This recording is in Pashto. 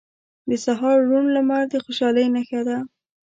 • د سهار روڼ لمر د خوشحالۍ نښه ده.